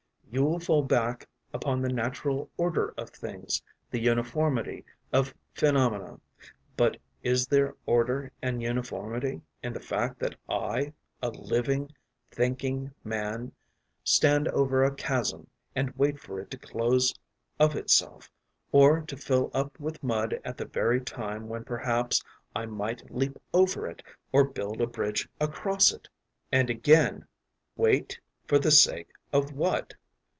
You will fall back upon the natural order of things, the uniformity of phenomena; but is there order and uniformity in the fact that I, a living, thinking man, stand over a chasm and wait for it to close of itself, or to fill up with mud at the very time when perhaps I might leap over it or build a bridge across it? And again, wait for the sake of what?